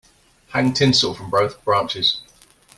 Hang tinsel from both branches.